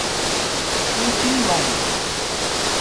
توݩ ڪيݩ وهيݩ۔